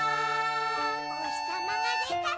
「おひさまがでたら」